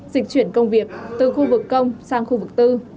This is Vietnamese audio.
dịch chuyển công việc từ khu vực công sang khu vực tư